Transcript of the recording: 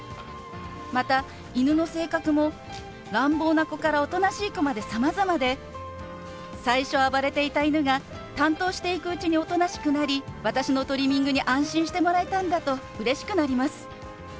また犬の性格も乱暴な子からおとなしい子までさまざまで最初暴れていた犬が担当していくうちにおとなしくなり私のトリミングに安心してもらえたんだとうれしくなります。